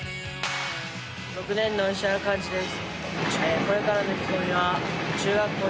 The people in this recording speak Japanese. ６年の石原幹士です。